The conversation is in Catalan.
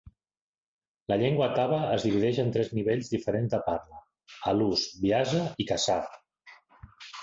La llengua taba es divideix en tres nivells diferents de parla: "alus", "Biasa" i "kasar".